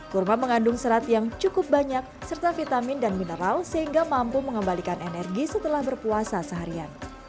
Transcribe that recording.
kurma mengandung serat yang cukup banyak serta vitamin dan mineral sehingga mampu mengembalikan energi setelah berpuasa seharian